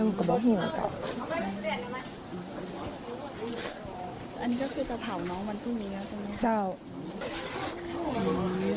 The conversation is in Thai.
อันนี้ก็คือจะเผาน้องวันพรุ่งนี้แล้วใช่ไหม